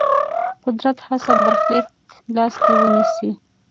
قدرت هڅه برخلیک لاس کې ونیسي.